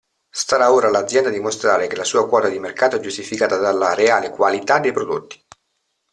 Starà ora all'azienda dimostrare che la sua quota di mercato è giustificata dalla reale qualità dei prodotti.